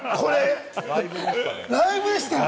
ライブでしたよ！